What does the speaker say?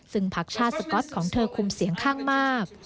ซึ่งพักชาติสก๊อตของเธอคุมเสียงข้างมาก